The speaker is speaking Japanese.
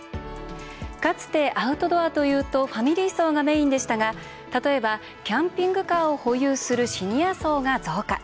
かつてアウトドアというとファミリー層がメインでしたが例えば、キャンピングカーを保有するシニア層が増加。